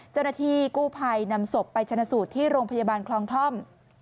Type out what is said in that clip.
เจ้าหน้าที่กู้ภัยนำศพไปชนะสูตรที่โรงพยาบาลคลองท่อม